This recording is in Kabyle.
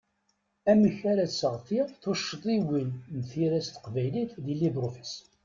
Amek ara seɣtiɣ tuccḍiwin n tira s teqbaylit di LibreOffice?